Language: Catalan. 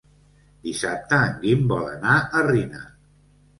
Dissabte en Guim vol anar a Riner.